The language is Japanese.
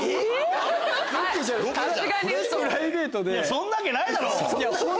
そんなわけないだろ！